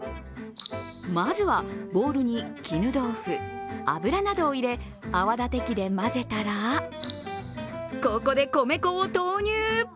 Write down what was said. まずは、ボウルに絹豆腐油などを入れ泡立て器で混ぜたらここで米粉を投入。